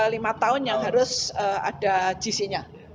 di atas lima tahun yang harus ada jisinya